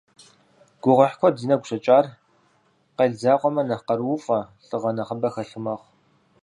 Гугъуехь куэд зи нэгу щӀэкӀар, къел закъуэмэ, нэхъ къарууфӀэ, лӀыгъэ нэхъыбэ хэлъ мэхъу.